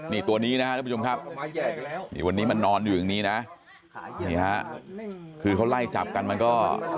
นี่ตัวนี้นะครับทุกผู้ชมครับนี่วันนี้มันนอนอยู่อย่างนี้นะนี่ฮะคือเขาไล่จับกันมันก็